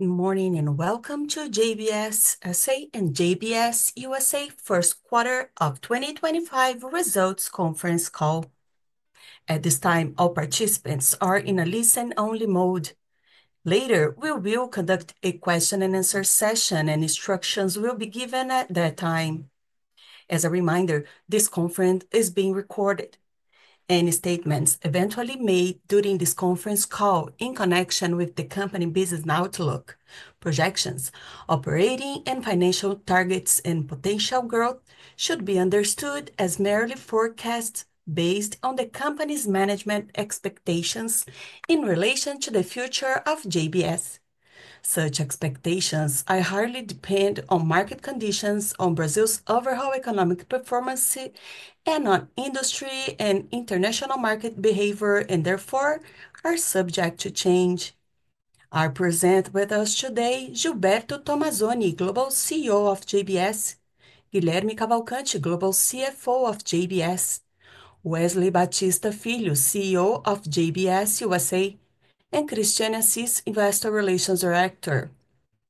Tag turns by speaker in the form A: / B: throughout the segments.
A: Good morning and welcome to JBS S.A. and JBS USA First Quarter of 2025 Results Conference Call. At this time, all participants are in a listen-only mode. Later, we will conduct a question-and-answer session, and instructions will be given at that time. As a reminder, this conference is being recorded. Any statements eventually made during this conference call in connection with the company business outlook, projections, operating and financial targets, and potential growth should be understood as merely forecasts based on the company's management expectations in relation to the future of JBS. Such expectations highly depend on market conditions, on Brazil's overall economic performance, and on industry and international market behavior, and therefore are subject to change. Our present with us today: Gilberto Tomazoni, Global CEO of JBS; Guilherme Cavalcanti, Global CFO of JBS; Wesley Batista Filho, CEO of JBS USA; and Christiane Assis, Investor Relations Director.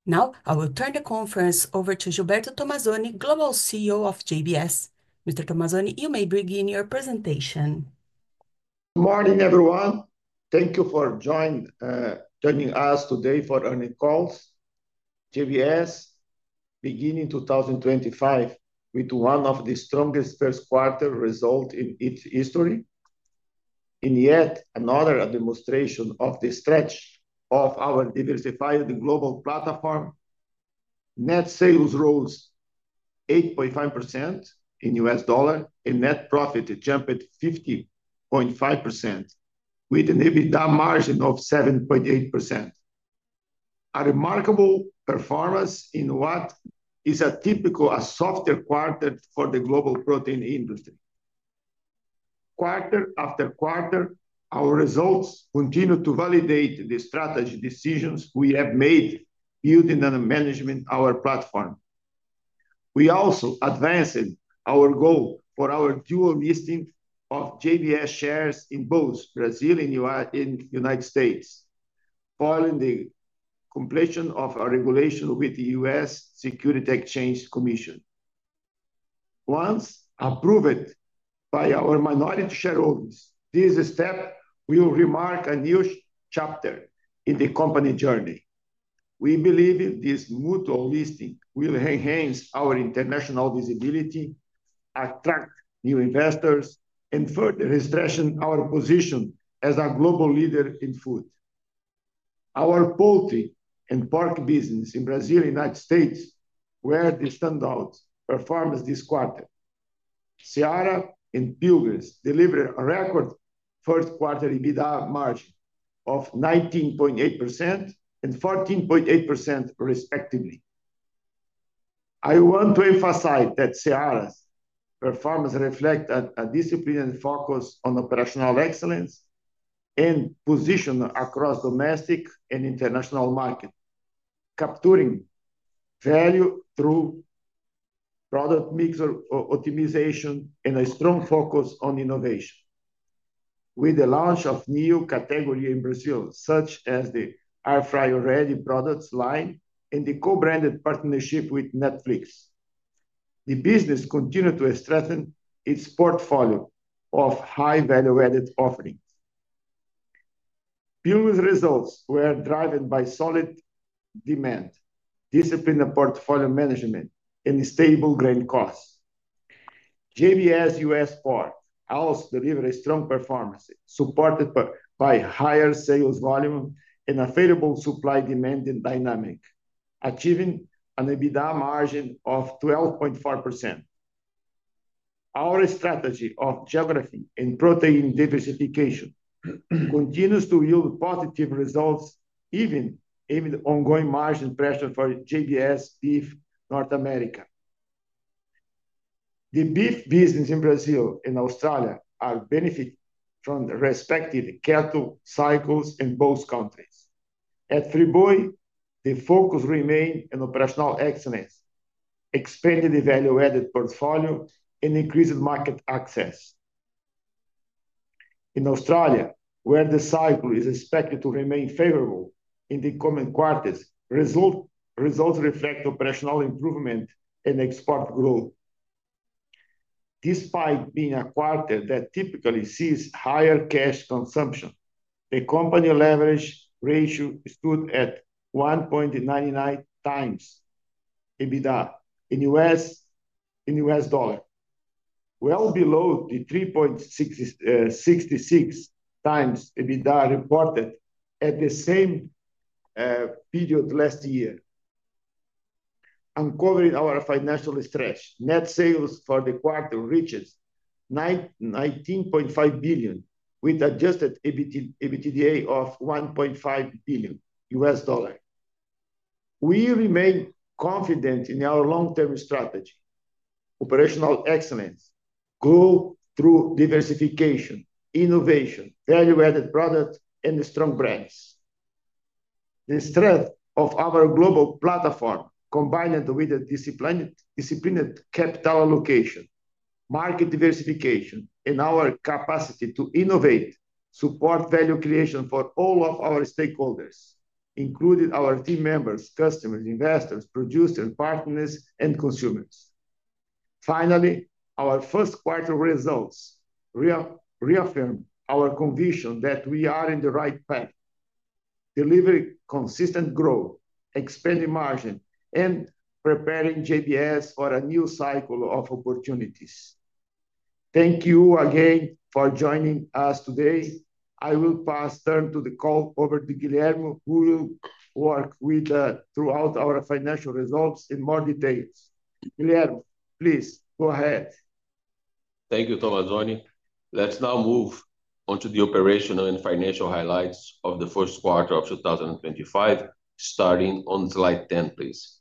A: Now, I will turn the conference over to Gilberto Tomazoni, Global CEO of JBS. Mr. Tomazoni, you may begin your presentation.
B: Good morning, everyone. Thank you for joining us today for our call. JBS, beginning 2025 with one of the strongest first-quarter results in its history, and yet another demonstration of the strength of our diversified global platform. Net sales rose 8.5% in US dollars, and net profit jumped 50.5%, with an EBITDA margin of 7.8%. A remarkable performance in what is typical of a soft quarter for the global protein industry. Quarter after quarter, our results continue to validate the strategy decisions we have made building and managing our platform. We also advanced our goal for our dual listing of JBS shares in both Brazil and the United States, following the completion of our regulation with the U.S. Securities and Exchange Commission. Once approved by our minority shareholders, this step will remark a new chapter in the company journey. We believe this mutual listing will enhance our international visibility, attract new investors, and further strengthen our position as a global leader in food. Our poultry and pork business in Brazil and the United States were the standout performance this quarter. Seara and Pilgrim's delivered a record first-quarter EBITDA margin of 19.8% and 14.8%, respectively. I want to emphasize that Seara's performance reflects a discipline and focus on operational excellence and position across domestic and international markets, capturing value through product mix optimization and a strong focus on innovation. With the launch of new categories in Brazil, such as the air fryer-ready products line and the co-branded partnership with Netflix, the business continued to strengthen its portfolio of high-value-added offerings. Pilgrim's results were driven by solid demand, disciplined portfolio management, and stable grain costs. JBS US Pork also delivered a strong performance supported by higher sales volume and available supply-demand dynamic, achieving an EBITDA margin of 12.4%. Our strategy of geography and protein diversification continues to yield positive results even with ongoing margin pressure for JBS Beef North America. The beef business in Brazil and Australia benefits from respective cattle cycles in both countries. At Friboi, the focus remains on operational excellence, expanded value-added portfolio, and increased market access. In Australia, where the cycle is expected to remain favorable in the coming quarters, results reflect operational improvement and export growth. Despite being a quarter that typically sees higher cash consumption, the company leverage ratio stood at 1.99x EBITDA in US dollars, well below the 3.66x EBITDA reported at the same period last year. Uncovering our financial stretch, net sales for the quarter reached $19.5 billion, with adjusted EBITDA of $1.5 billion. We remain confident in our long-term strategy: operational excellence, growth through diversification, innovation, value-added products, and strong brands. The strength of our global platform, combined with disciplined capital allocation, market diversification, and our capacity to innovate, support value creation for all of our stakeholders, including our team members, customers, investors, producers, partners, and consumers. Finally, our first-quarter results reaffirm our conviction that we are on the right path, delivering consistent growth, expanding margin, and preparing JBS for a new cycle of opportunities. Thank you again for joining us today. I will pass the turn to the call over to Guilherme, who will work throughout our financial results in more detail. Guilherme, please go ahead.
C: Thank you, Tomazoni. Let's now move on to the operational and financial highlights of the first quarter of 2025, starting on slide 10, please.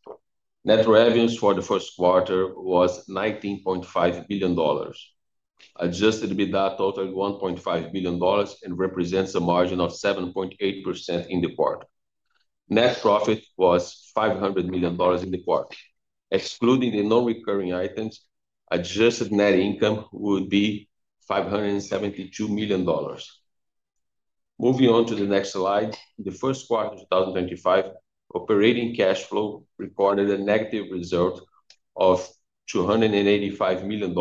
C: Net revenues for the first quarter was $19.5 billion, adjusted EBITDA totaled $1.5 billion, and represents a margin of 7.8% in the quarter. Net profit was $500 million in the quarter. Excluding the non-recurring items, adjusted net income would be $572 million. Moving on to the next slide, the first quarter of 2025 operating cash flow recorded a negative result of $285 million,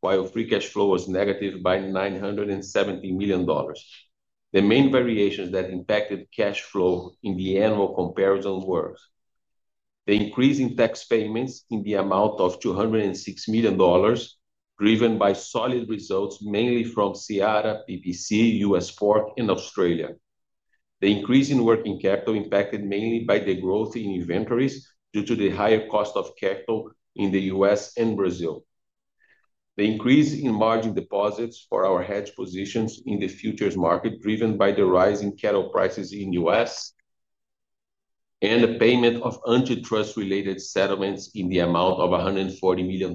C: while free cash flow was negative by $970 million. The main variations that impacted cash flow in the annual comparison were the increase in tax payments in the amount of $206 million, driven by solid results mainly from Seara, PPC, US Pork, and Australia. The increase in working capital impacted mainly by the growth in inventories due to the higher cost of capital in the U.S. and Brazil. The increase in margin deposits for our hedge positions in the futures market, driven by the rising cattle prices in the U.S., and the payment of antitrust-related settlements in the amount of $140 million.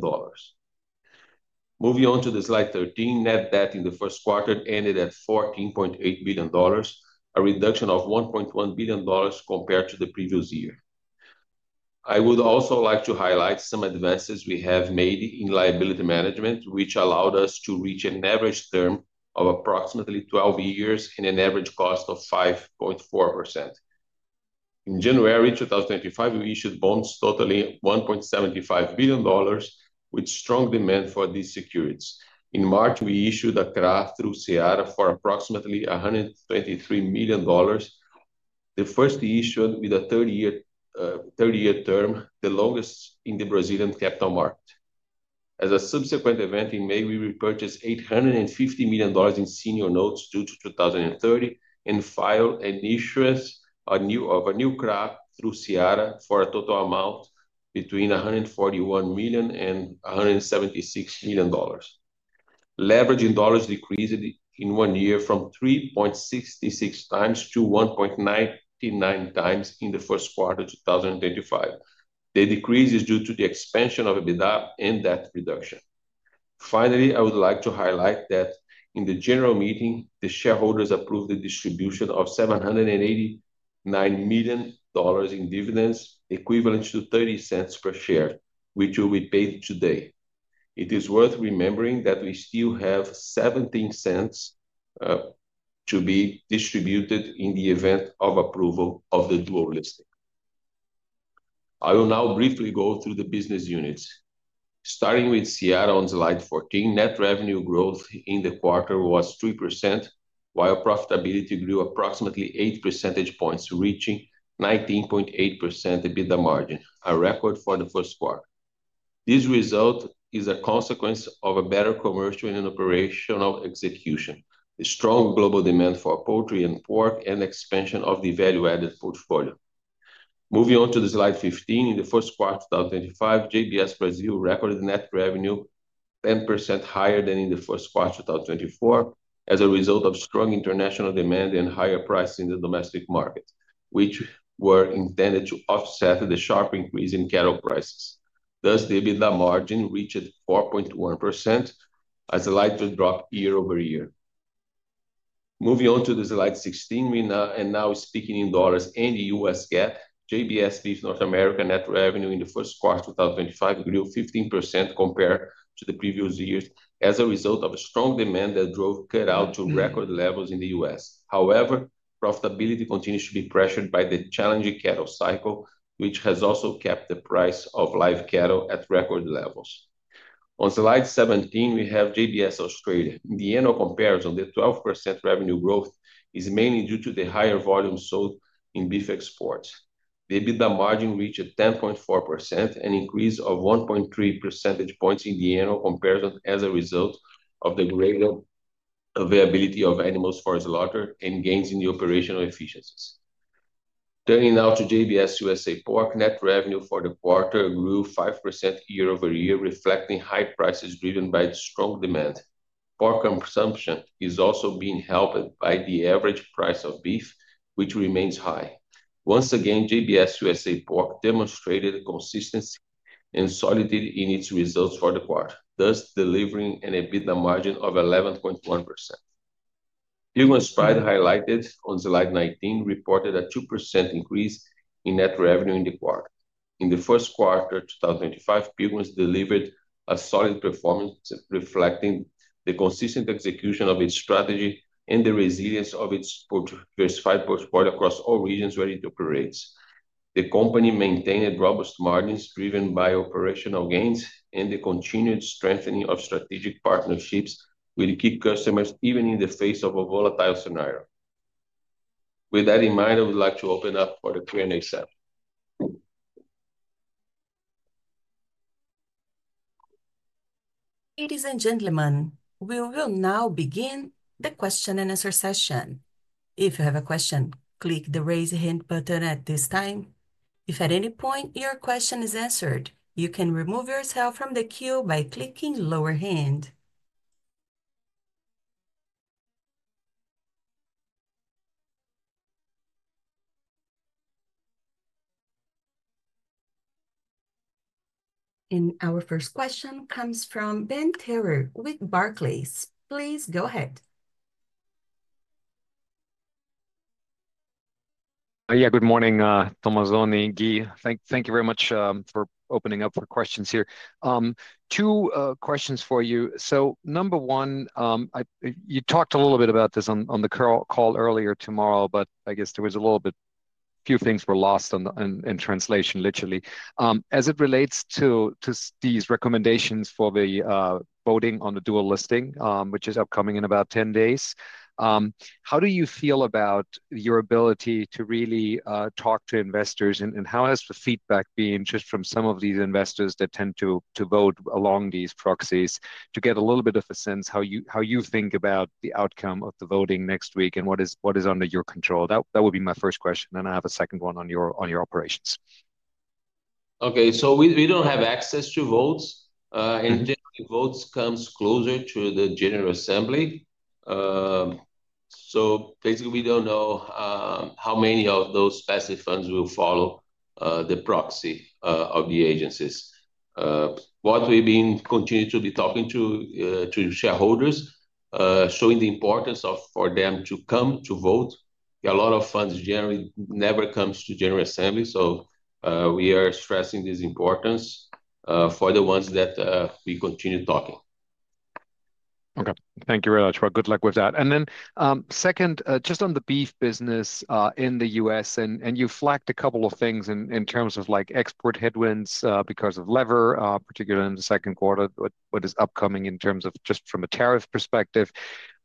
C: Moving on to slide 13, net debt in the first quarter ended at $14.8 billion, a reduction of $1.1 billion compared to the previous year. I would also like to highlight some advances we have made in liability management, which allowed us to reach an average term of approximately 12 years and an average cost of 5.4%. In January 2025, we issued bonds totaling $1.75 billion, with strong demand for these securities. In March, we issued a CRA through Seara for approximately $123 million, the first issued with a 30-year term, the longest in the Brazilian capital market. As a subsequent event in May, we repurchased $850 million in senior notes due 2030 and filed an issuance of a new CRA through Seara for a total amount between $141 million and $176 million. Leverage in dollars decreased in one year from 3.66x to 1.99x in the first quarter of 2025. The decrease is due to the expansion of EBITDA and debt reduction. Finally, I would like to highlight that in the general meeting, the shareholders approved the distribution of $789 million in dividends, equivalent to $0.30 per share, which will be paid today. It is worth remembering that we still have $0.17 to be distributed in the event of approval of the dual listing. I will now briefly go through the business units. Starting with Seara on slide 14, net revenue growth in the quarter was 3%, while profitability grew approximately 8 percentage points, reaching 19.8% EBITDA margin, a record for the first quarter. This result is a consequence of better commercial and operational execution, strong global demand for poultry and pork, and expansion of the value-added portfolio. Moving on to slide 15, in the first quarter of 2025, JBS Brazil recorded net revenue 10% higher than in the first quarter of 2024 as a result of strong international demand and higher prices in the domestic market, which were intended to offset the sharp increase in cattle prices. Thus, the EBITDA margin reached 4.1%, a slight drop year over year. Moving on to slide 16, and now speaking in dollars and US GAAP, JBS Beef North America net revenue in the first quarter of 2025 grew 15% compared to the previous years as a result of strong demand that drove cut-out to record levels in the US. However, profitability continues to be pressured by the challenging cattle cycle, which has also kept the price of live cattle at record levels. On slide 17, we have JBS Australia. In the annual comparison, the 12% revenue growth is mainly due to the higher volume sold in beef exports. The EBITDA margin reached 10.4%, an increase of 1.3 percentage points in the annual comparison as a result of the greater availability of animals for slaughter and gains in the operational efficiencies. Turning now to JBS USA Pork, net revenue for the quarter grew 5% year over year, reflecting high prices driven by strong demand. Pork consumption is also being helped by the average price of beef, which remains high. Once again, JBS USA Pork demonstrated consistency and solidity in its results for the quarter, thus delivering an EBITDA margin of 11.1%. Pilgrim's Pride highlighted on slide 19 reported a 2% increase in net revenue in the quarter. In the first quarter of 2025, Pilgrim's delivered a solid performance, reflecting the consistent execution of its strategy and the resilience of its diversified portfolio across all regions where it operates. The company maintained robust margins driven by operational gains and the continued strengthening of strategic partnerships, which keep customers even in the face of a volatile scenario. With that in mind, I would like to open up for the Q&A session.
A: Ladies and gentlemen, we will now begin the question and answer session. If you have a question, click the raise hand button at this time. If at any point your question is answered, you can remove yourself from the queue by clicking lower hand. Our first question comes from Ben Theurer with Barclays. Please go ahead.
D: Yeah, good morning, Tomazoni, Gui. Thank you very much for opening up for questions here. Two questions for you. Number one, you talked a little bit about this on the call earlier tomorrow, but I guess there was a little bit, a few things were lost in translation, literally. As it relates to these recommendations for the voting on the dual listing, which is upcoming in about 10 days, how do you feel about your ability to really talk to investors? And how has the feedback been just from some of these investors that tend to vote along these proxies to get a little bit of a sense how you think about the outcome of the voting next week and what is under your control? That would be my first question. Then I have a second one on your operations.
C: Okay, we do not have access to votes. Votes come closer to the general assembly. Basically, we do not know how many of those passive funds will follow the proxy of the agencies. What we have been continuing to do is talking to shareholders, showing the importance for them to come to vote. A lot of funds generally never come to general assembly. We are stressing this importance for the ones that we continue talking.
D: Okay, thank you very much. Good luck with that. Then second, just on the beef business in the U.S., you flagged a couple of things in terms of export headwinds because of lever, particularly in the second quarter, what is upcoming in terms of just from a tariff perspective.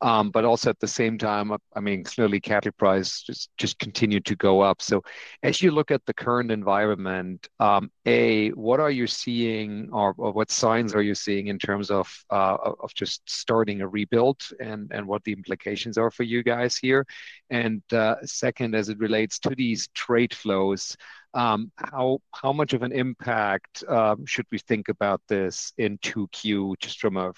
D: Also, at the same time, I mean, clearly cattle prices just continue to go up. As you look at the current environment, A, what are you seeing, or what signs are you seeing in terms of just starting a rebuild and what the implications are for you guys here? Second, as it relates to these trade flows, how much of an impact should we think about this into Q2 just from a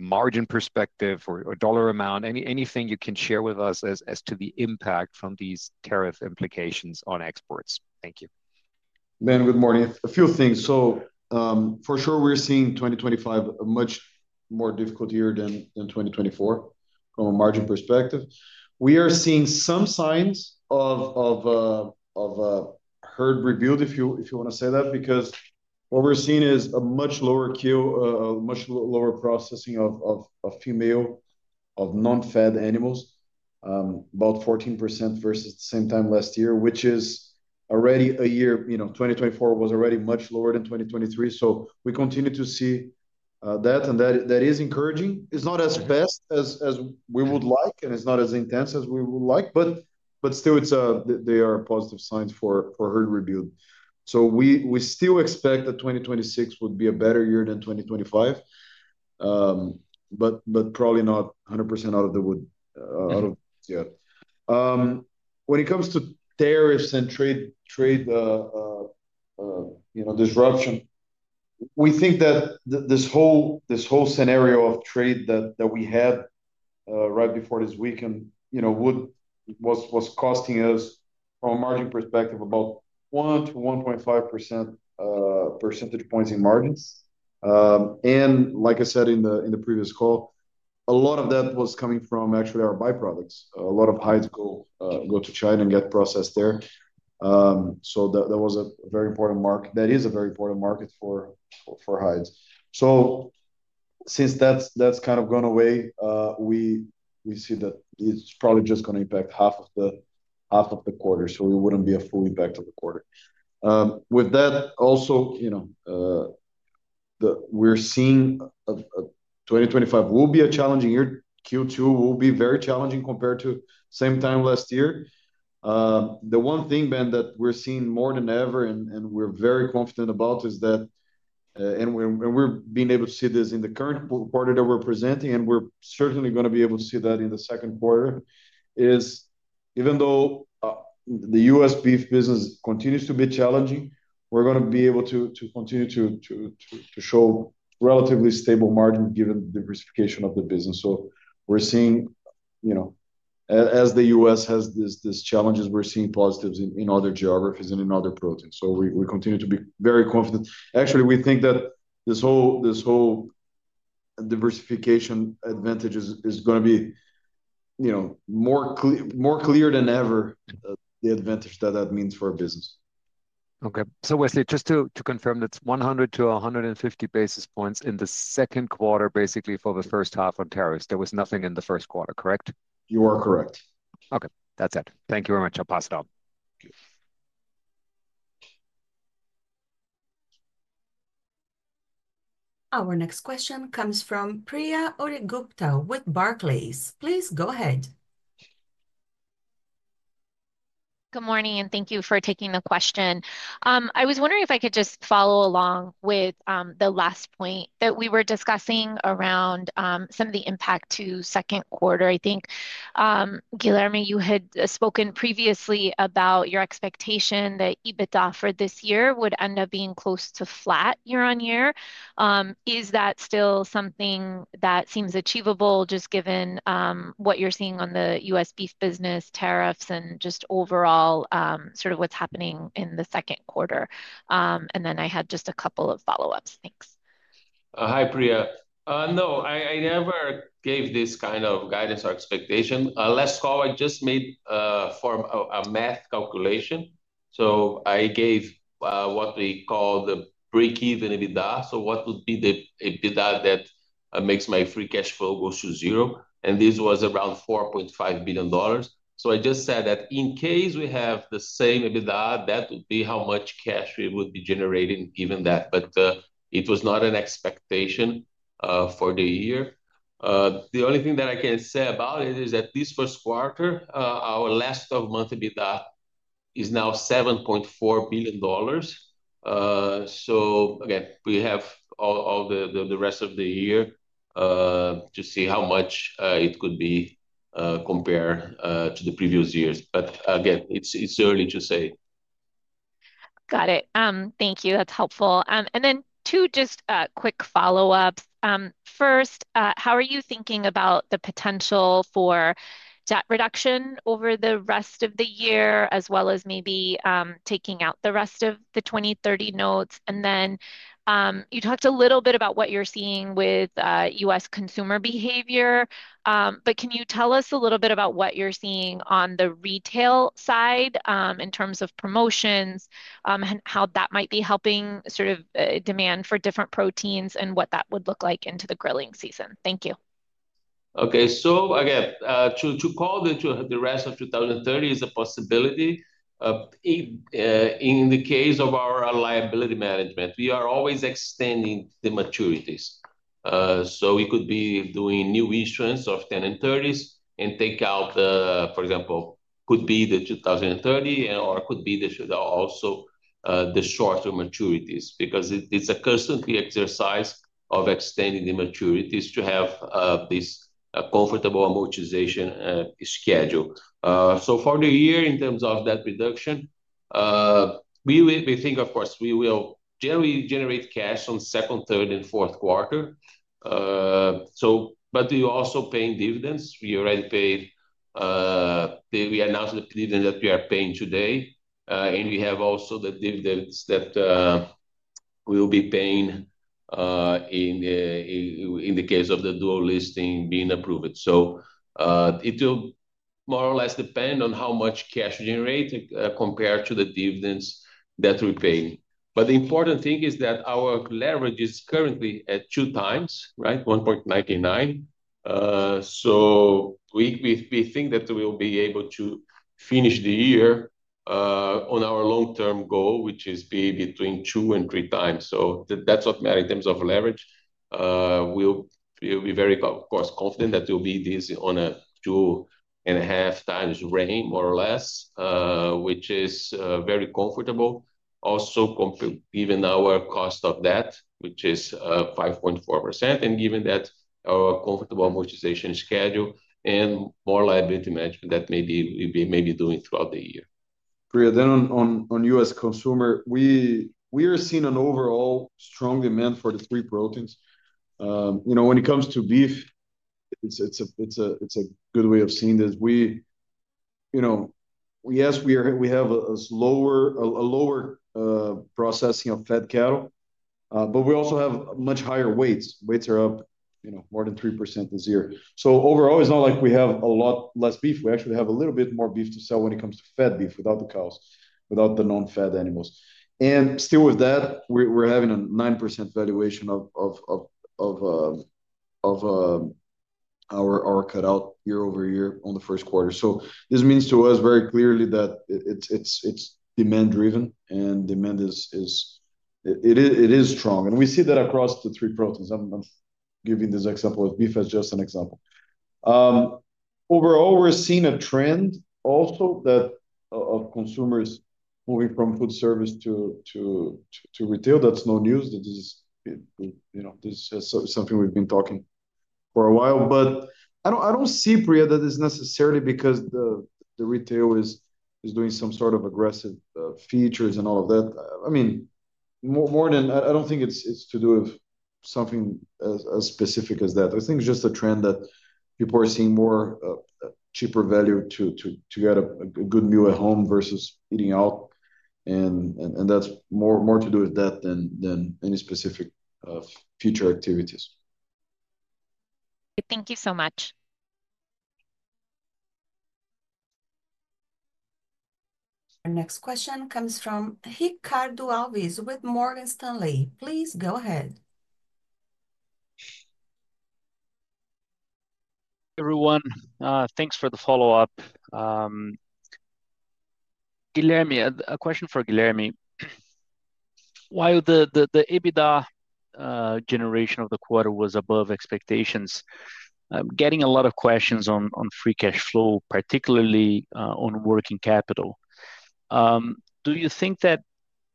D: margin perspective or dollar amount? Anything you can share with us as to the impact from these tariff implications on exports? Thank you.
E: Ben, good morning. A few things. For sure, we're seeing 2025 a much more difficult year than 2024 from a margin perspective. We are seeing some signs of herd rebuild, if you want to say that, because what we're seeing is a much lower queue, much lower processing of female of non-fed animals, about 14% versus the same time last year, which is already a year, you know, 2024 was already much lower than 2023. We continue to see that, and that is encouraging. It's not as best as we would like, and it's not as intense as we would like, but still, they are positive signs for herd rebuild. We still expect that 2026 would be a better year than 2025, but probably not 100% out of the wood, out of the woods yet. When it comes to tariffs and trade, you know, disruption, we think that this whole scenario of trade that we had right before this weekend, you know, was costing us from a margin perspective about 1-1.5 percentage points in margins. And like I said in the previous call, a lot of that was coming from actually our byproducts. A lot of hides go to China and get processed there. That was a very important mark. That is a very important market for hides. Since that's kind of gone away, we see that it's probably just going to impact half of the quarter, so it would not be a full impact of the quarter. With that, also, you know, we're seeing 2025 will be a challenging year. Q2 will be very challenging compared to the same time last year. The one thing, Ben, that we're seeing more than ever, and we're very confident about is that, and we're being able to see this in the current quarter that we're presenting, and we're certainly going to be able to see that in the second quarter, is even though the U.S. beef business continues to be challenging, we're going to be able to continue to show relatively stable margins given the diversification of the business. You know, as the U.S. has these challenges, we're seeing positives in other geographies and in other proteins. We continue to be very confident. Actually, we think that this whole diversification advantage is going to be, you know, more clear than ever, the advantage that that means for our business.
D: Okay. So Wesley, just to confirm, that's 100-150 basis points in the second quarter, basically for the first half on tariffs. There was nothing in the first quarter, correct?
E: You are correct.
D: Okay. That's it. Thank you very much. I'll pass it on.
A: Our next question comes from Priya Ohri-Gupta with Barclays. Please go ahead.
F: Good morning, and thank you for taking the question. I was wondering if I could just follow along with the last point that we were discussing around some of the impact to second quarter. I think, Guilherme, you had spoken previously about your expectation that EBITDA for this year would end up being close to flat year on year. Is that still something that seems achievable just given what you're seeing on the US beef business tariffs and just overall sort of what's happening in the second quarter? I had just a couple of follow-ups. Thanks.
C: Hi, Priya. No, I never gave this kind of guidance or expectation. Last call, I just made a math calculation. So I gave what we call the break-even EBITDA. So what would be the EBITDA that makes my free cash flow go to zero? And this was around $4.5 billion. So I just said that in case we have the same EBITDA, that would be how much cash we would be generating given that. But it was not an expectation for the year. The only thing that I can say about it is that this first quarter, our last month EBITDA is now $7.4 billion. So again, we have all the rest of the year to see how much it could be compared to the previous years. But again, it's early to say.
F: Got it. Thank you. That's helpful. Two just quick follow-ups. First, how are you thinking about the potential for debt reduction over the rest of the year, as well as maybe taking out the rest of the 2030 notes? You talked a little bit about what you're seeing with U.S. consumer behavior. Can you tell us a little bit about what you're seeing on the retail side in terms of promotions and how that might be helping sort of demand for different proteins and what that would look like into the grilling season? Thank you.
C: Okay. Again, to call into the rest of 2030 is a possibility. In the case of our liability management, we are always extending the maturities. We could be doing new issuance of 10 and 30s and take out, for example, could be the 2030 or could be also the shorter maturities because it is a constant exercise of extending the maturities to have this comfortable amortization schedule. For the year, in terms of debt reduction, we think, of course, we will generally generate cash on second, third, and fourth quarter. We also pay dividends. We already paid. We announced the dividend that we are paying today. We have also the dividends that we will be paying in the case of the dual listing being approved. It will more or less depend on how much cash we generate compared to the dividends that we pay. The important thing is that our leverage is currently at 2x, right? 1.99x. We think that we will be able to finish the year on our long-term goal, which is between two and three times. That is automatic in terms of leverage. We will be very, of course, confident that we will be on a two and a half times range, more or less, which is very comfortable. Also, given our cost of debt, which is 5.4%, and given our comfortable amortization schedule and more liability management that maybe we will be maybe doing throughout the year.
E: Priya, then on U.S. consumer, we are seeing an overall strong demand for the three proteins. You know, when it comes to beef, it's a good way of seeing this. You know, yes, we have a lower processing of fed cattle, but we also have much higher weights. Weights are up, you know, more than 3% this year. So overall, it's not like we have a lot less beef. We actually have a little bit more beef to sell when it comes to fed beef without the cows, without the non-fed animals. And still with that, we're having a 9% valuation of our cut-out year over year on the first quarter. This means to us very clearly that it's demand-driven, and demand is strong. We see that across the three proteins. I'm giving this example of beef as just an example. Overall, we're seeing a trend also that of consumers moving from food service to retail. That's no news. This is something we've been talking for a while. I don't see, Priya, that it's necessarily because the retail is doing some sort of aggressive features and all of that. I mean, more than I don't think it's to do with something as specific as that. I think it's just a trend that people are seeing more cheaper value to get a good meal at home versus eating out. That's more to do with that than any specific future activities.
F: Thank you so much.
A: Our next question comes from Ricardo Alves with Morgan Stanley. Please go ahead.
G: Hey, everyone. Thanks for the follow-up. Guilherme, a question for Guilherme. While the EBITDA generation of the quarter was above expectations, I'm getting a lot of questions on free cash flow, particularly on working capital. Do you think that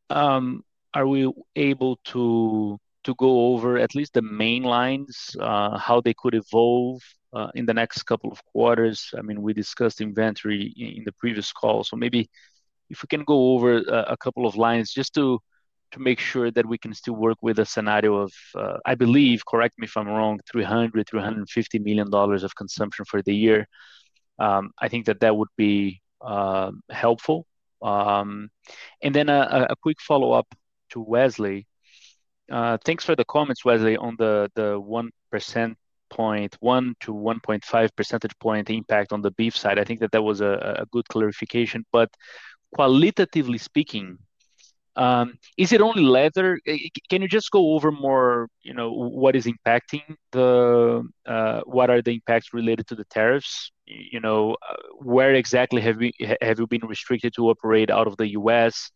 G: are we able to go over at least the main lines, how they could evolve in the next couple of quarters? I mean, we discussed inventory in the previous call. Maybe if we can go over a couple of lines just to make sure that we can still work with a scenario of, I believe, correct me if I'm wrong, $300-$350 million of consumption for the year, I think that that would be helpful. A quick follow-up to Wesley. Thanks for the comments, Wesley, on the 1 percentage point, 1 to 1.5 percentage point impact on the beef side. I think that that was a good clarification. Qualitatively speaking, is it only leather? Can you just go over more, you know, what is impacting the, what are the impacts related to the tariffs? You know, where exactly have you been restricted to operate out of the U.S.?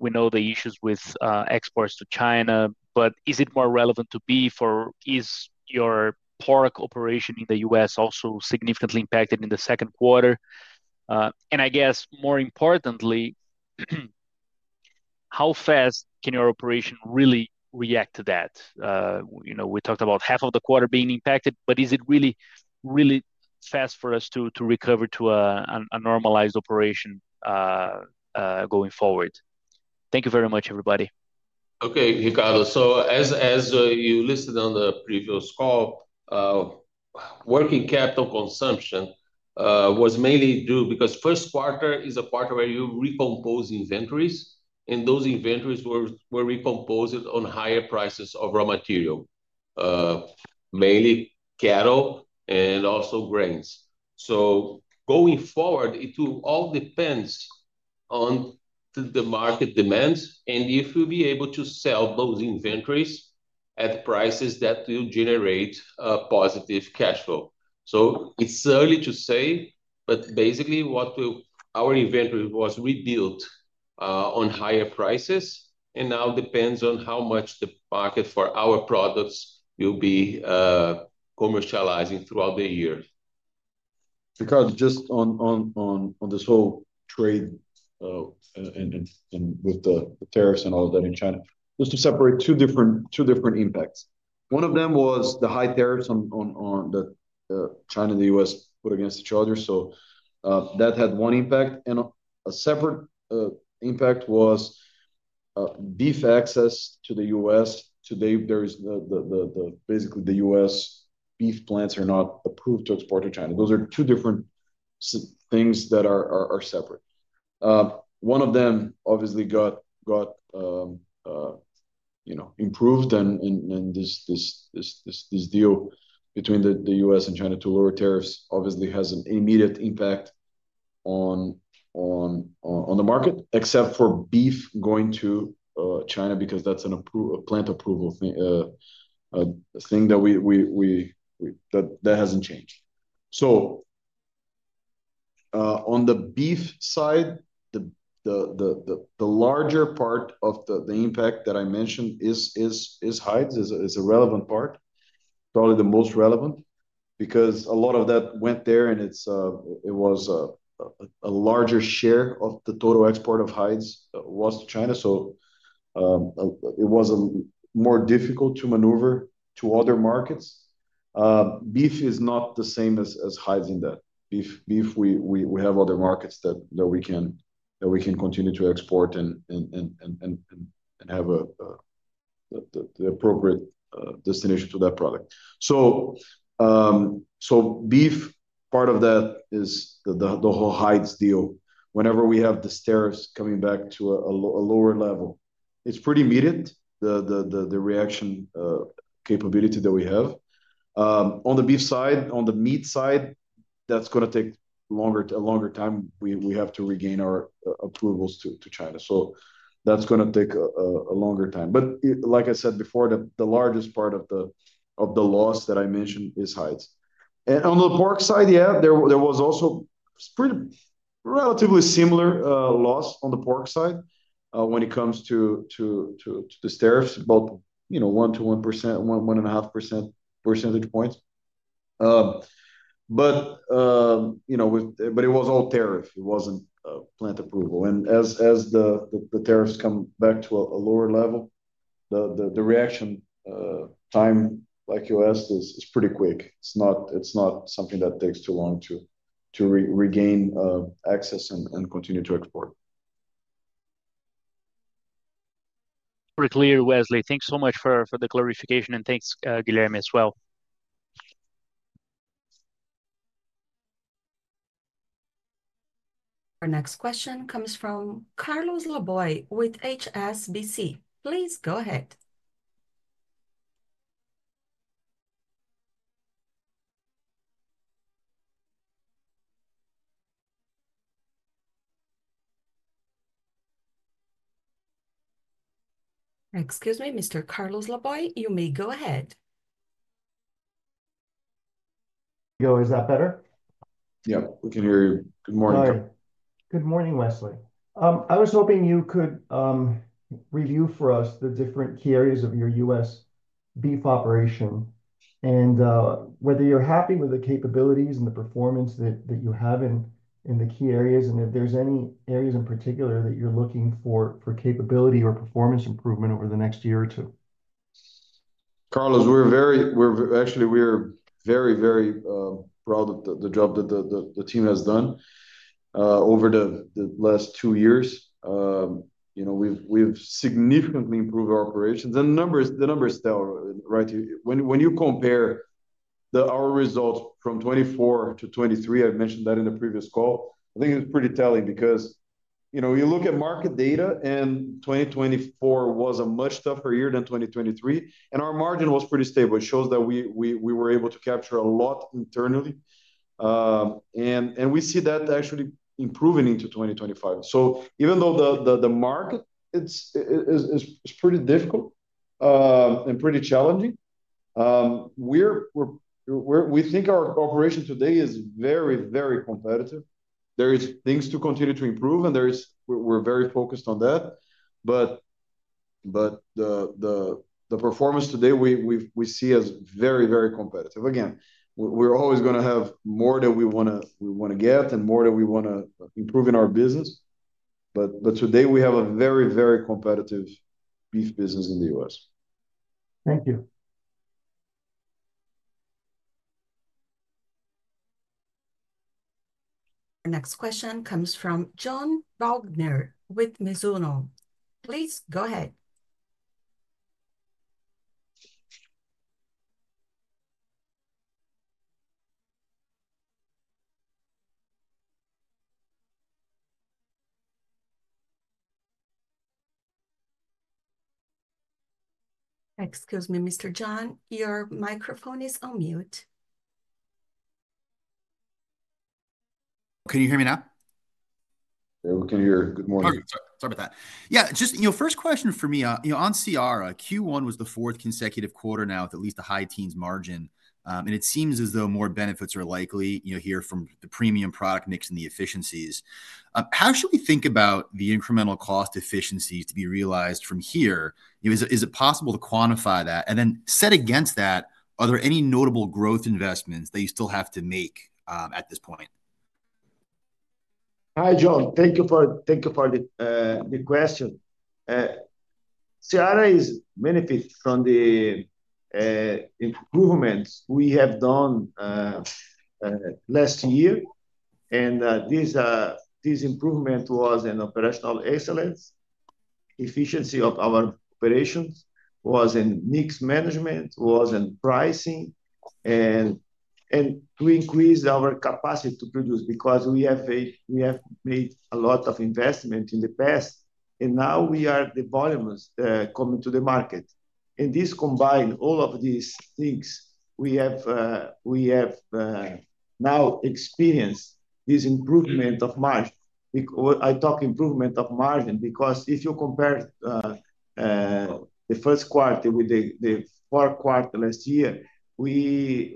G: We know the issues with exports to China, but is it more relevant to beef, or is your pork operation in the U.S. also significantly impacted in the second quarter? I guess, more importantly, how fast can your operation really react to that? You know, we talked about half of the quarter being impacted, but is it really, really fast for us to recover to a normalized operation going forward? Thank you very much, everybody.
C: Okay, Ricardo. As you listed on the previous call, working capital consumption was mainly due because first quarter is a quarter where you recompose inventories, and those inventories were recomposed on higher prices of raw material, mainly cattle and also grains. Going forward, it all depends on the market demands and if we'll be able to sell those inventories at prices that will generate a positive cash flow. It's early to say, but basically what our inventory was rebuilt on higher prices and now depends on how much the market for our products will be commercializing throughout the year.
E: Ricardo, just on this whole trade and with the tariffs and all of that in China, just to separate two different impacts. One of them was the high tariffs on the China and the U.S. put against each other. That had one impact. A separate impact was beef access to the U.S. Today, basically the U.S. beef plants are not approved to export to China. Those are two different things that are separate. One of them obviously got improved, and this deal between the U.S. and China to lower tariffs obviously has an immediate impact on the market, except for beef going to China because that is a plant approval thing that has not changed. On the beef side, the larger part of the impact that I mentioned is hides is a relevant part, probably the most relevant because a lot of that went there and it was a larger share of the total export of hides was to China. It was more difficult to maneuver to other markets. Beef is not the same as hides in that. Beef, we have other markets that we can continue to export and have the appropriate destination to that product. Beef, part of that is the whole hides deal. Whenever we have the stairs coming back to a lower level, it's pretty immediate, the reaction capability that we have. On the beef side, on the meat side, that's going to take a longer time. We have to regain our approvals to China. That's going to take a longer time. Like I said before, the largest part of the loss that I mentioned is hides. On the pork side, yeah, there was also a relatively similar loss on the pork side when it comes to the stairs, about 1-1.5 percentage points. It was all tariff. It was not plant approval. As the tariffs come back to a lower level, the reaction time, like you asked, is pretty quick. It is not something that takes too long to regain access and continue to export.
G: Pretty clear, Wesley. Thanks so much for the clarification. Thanks, Guilherme, as well.
A: Our next question comes from Carlos Laboy with HSBC. Please go ahead. Excuse me, Mr. Carlos Laboy, you may go ahead.
H: Is that better?
E: Yeah, we can hear you. Good morning.
H: Good morning, Wesley. I was hoping you could review for us the different key areas of your U.S. beef operation and whether you're happy with the capabilities and the performance that you have in the key areas and if there's any areas in particular that you're looking for capability or performance improvement over the next year or two.
E: Carlos, we're very, actually, we're very, very proud of the job that the team has done over the last two years. You know, we've significantly improved our operations. And the numbers tell. When you compare our results from 2024 to 2023, I mentioned that in the previous call, I think it's pretty telling because you look at market data and 2024 was a much tougher year than 2023. And our margin was pretty stable. It shows that we were able to capture a lot internally. We see that actually improving into 2025. Even though the market is pretty difficult and pretty challenging, we think our operation today is very, very competitive. There are things to continue to improve, and we're very focused on that. The performance today we see as very, very competitive. Again, we're always going to have more than we want to get and more than we want to improve in our business. Today we have a very, very competitive beef business in the U.S.
H: Thank you.
A: Our next question comes from John Wagner with Mizuho. Please go ahead. Excuse me, Mr. John, your microphone is on mute.
I: Can you hear me now?
E: We can hear you. Good morning.
I: Sorry about that. Yeah, just your first question for me, on Seara, Q1 was the fourth consecutive quarter now with at least a high teens margin. It seems as though more benefits are likely here from the premium product mix and the efficiencies. How should we think about the incremental cost efficiencies to be realized from here? Is it possible to quantify that? Set against that, are there any notable growth investments that you still have to make at this point?
C: Hi, John. Thank you for the question. Seara is benefiting from the improvements we have done last year. This improvement was in operational excellence. Efficiency of our operations was in mix management, was in pricing, and to increase our capacity to produce because we have made a lot of investment in the past. Now we are seeing the volumes coming to the market. This combines all of these things. We have now experienced this improvement of margin. I talk improvement of margin because if you compare the first quarter with the fourth quarter last year, we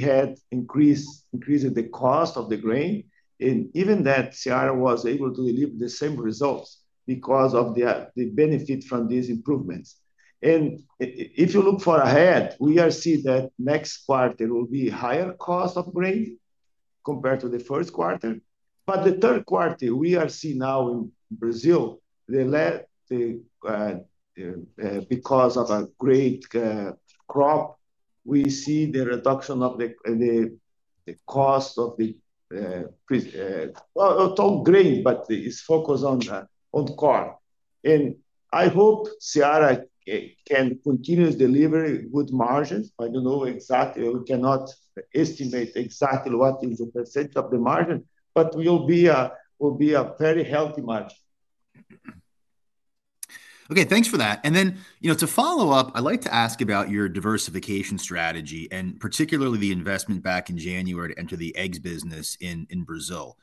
C: had increased the cost of the grain. Even that, Seara was able to deliver the same results because of the benefit from these improvements. If you look ahead, we are seeing that next quarter will be higher cost of grain compared to the first quarter. The third quarter, we are seeing now in Brazil, because of a great crop, we see the reduction of the cost of the total grain, but it's focused on corn. I hope Seara can continue to deliver good margins. I don't know exactly. We cannot estimate exactly what is the % of the margin, but it will be a very healthy margin.
I: Okay, thanks for that. You know, to follow up, I'd like to ask about your diversification strategy and particularly the investment back in January to enter the eggs business in Brazil.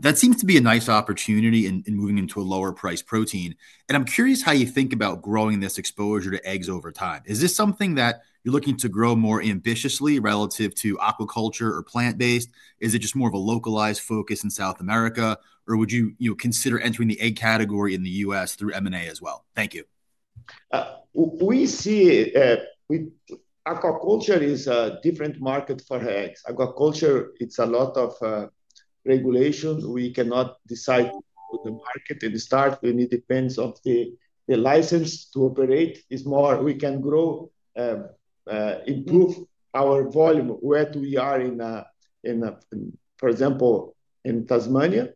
I: That seems to be a nice opportunity in moving into a lower-priced protein. I'm curious how you think about growing this exposure to eggs over time. Is this something that you're looking to grow more ambitiously relative to aquaculture or plant-based? Is it just more of a localized focus in South America, or would you consider entering the egg category in the U.S. through M&A as well? Thank you.
C: We see aquaculture is a different market for eggs. Aquaculture, it's a lot of regulations. We cannot decide the market and start. It depends on the license to operate. It's more we can grow, improve our volume where we are in, for example, in Tasmania.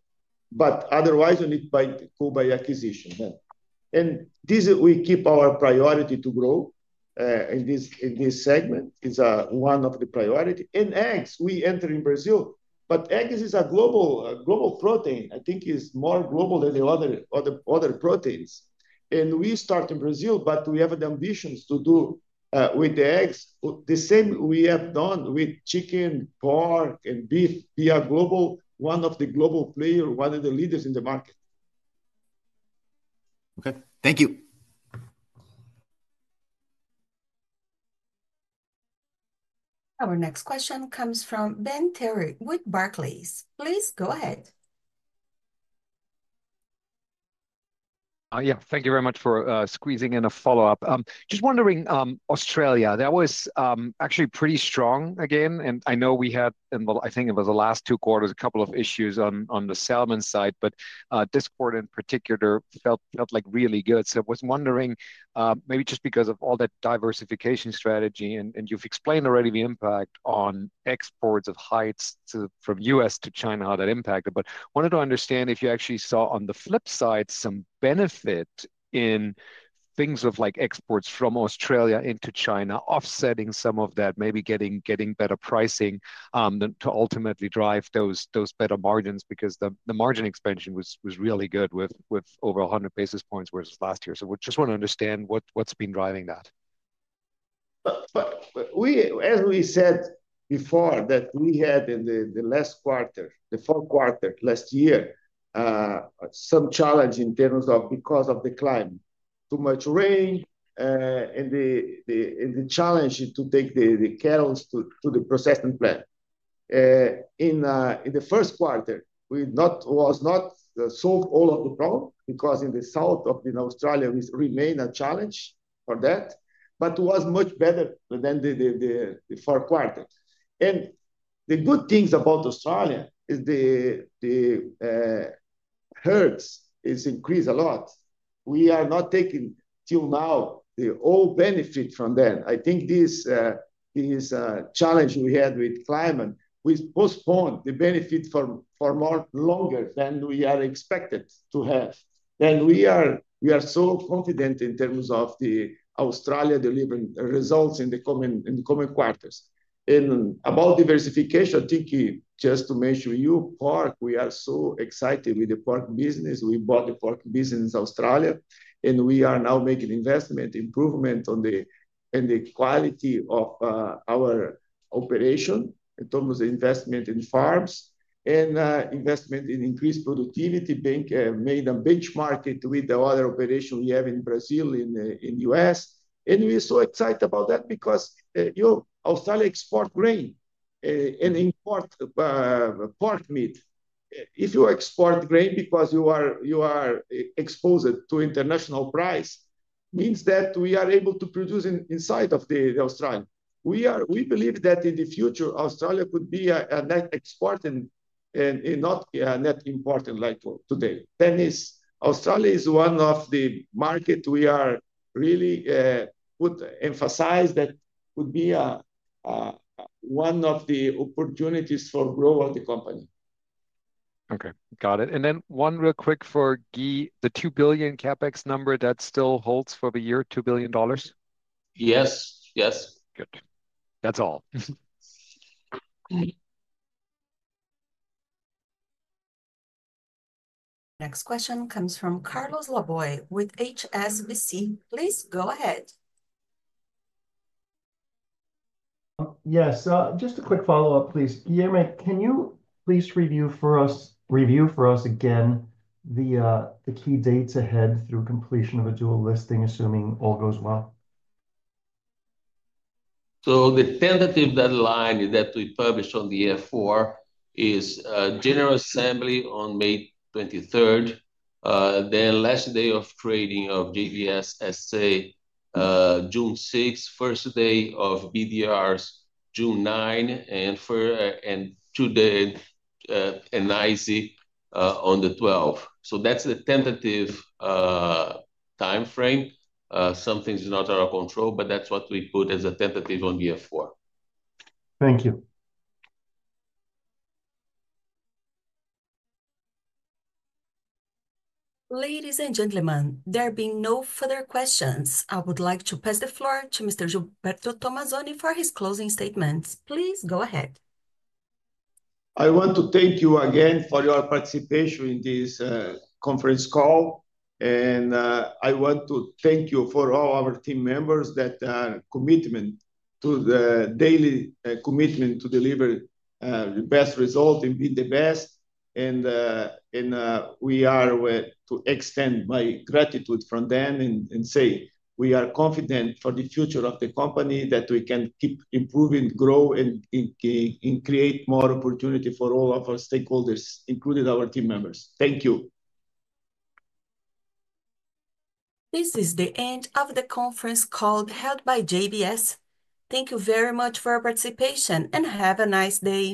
C: Otherwise we need by acquisition. We keep our priority to grow in this segment, it is one of the priorities. Eggs, we enter in Brazil, but eggs is a global protein. I think it's more global than the other proteins. We start in Brazil, but we have the ambitions to do with the eggs the same we have done with chicken, pork, and beef. We are global, one of the global players, one of the leaders in the market.
I: Okay, thank you.
A: Our next question comes from Ben Theurer with Barclays. Please go ahead.
D: Yeah, thank you very much for squeezing in a follow-up. Just wondering, Australia, that was actually pretty strong again. I know we had, I think it was the last two quarters, a couple of issues on the salmon side, but this quarter in particular felt like really good. I was wondering maybe just because of all that diversification strategy, and you've explained already the impact on exports of hides from U.S. to China, how that impacted. I wanted to understand if you actually saw on the flip side some benefit in things like exports from Australia into China, offsetting some of that, maybe getting better pricing to ultimately drive those better margins because the margin expansion was really good with over 100 basis points versus last year. We just want to understand what's been driving that.
C: As we said before that we had in the last quarter, the fourth quarter last year, some challenge in terms of because of the climate, too much rain, and the challenge to take the cattle to the processing plant. In the first quarter, we was not solved all of the problem because in the south of Australia remained a challenge for that, but was much better than the fourth quarter. The good things about Australia is the herds increased a lot. We are not taking till now the whole benefit from that. I think this challenge we had with climate, we postponed the benefit for longer than we are expected to have. We are so confident in terms of the Australia delivering results in the coming quarters. About diversification, I think just to mention you, pork, we are so excited with the pork business. We bought the pork business in Australia, and we are now making investment improvement on the quality of our operation in terms of the investment in farms and investment in increased productivity. Bank made a benchmark with the other operation we have in Brazil, in the U.S. We are so excited about that because Australia exports grain and imports pork meat. If you export grain because you are exposed to international price, it means that we are able to produce inside of Australia. We believe that in the future, Australia could be a net export and not a net import like today. Australia is one of the markets we are really emphasized that would be one of the opportunities for growth of the company.
D: Okay, got it. One real quick for Gui, the $2 billion CapEx number, that still holds for the year, $2 billion?
C: Yes, yes.
D: Good. That's all.
A: Next question comes from Carlos Laboy with HSBC. Please go ahead.
H: Yes, just a quick follow-up, please. Guilherme, can you please review for us again the key dates ahead through completion of a dual listing, assuming all goes well?
C: The tentative deadline that we published on the year four is General Assembly on May 23rd, then last day of trading of JBS S.A., June 6th, first day of BDRs, June 9, and ISI on the 12th. That is the tentative timeframe. Something's not out of control, but that is what we put as a tentative on year four.
H: Thank you.
A: Ladies and gentlemen, there being no further questions, I would like to pass the floor to Mr. Gilberto Tomazoni for his closing statements. Please go ahead.
B: I want to thank you again for your participation in this conference call. I want to thank you for all our team members, that commitment to the daily commitment to deliver the best result and be the best. I want to extend my gratitude from them and say we are confident for the future of the company, that we can keep improving, grow, and create more opportunity for all of our stakeholders, including our team members. Thank you.
A: This is the end of the conference call held by JBS. Thank you very much for your participation and have a nice day.